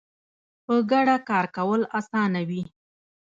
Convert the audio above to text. په ګډه کار کول اسانه وي